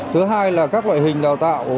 thứ hai là các loại hình đào tạo